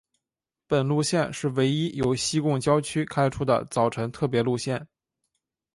本路线是唯一由西贡郊区开出的早晨特别路线。